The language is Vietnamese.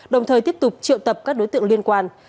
đồng thời tiếp tục triệu tập các đối tượng liên quan